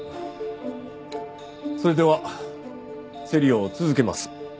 それでは競りを続けます。